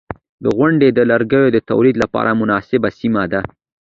• غونډۍ د لرګیو د تولید لپاره مناسبه سیمه ده.